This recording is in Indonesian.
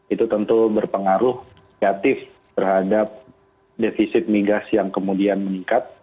itu tentu berpengaruh kreatif terhadap defisit migas yang kemudian meningkat